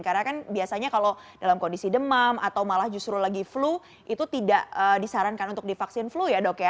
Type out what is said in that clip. karena kan biasanya kalau dalam kondisi demam atau malah justru lagi flu itu tidak disarankan untuk divaksin flu ya dok ya